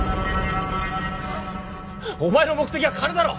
お前の目的は金だろ！